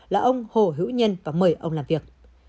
là ông hồ hữu nhân và mời ông làm việc